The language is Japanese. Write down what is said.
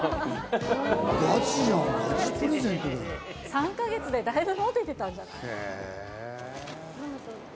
３か月でだいぶモテてたんじゃない？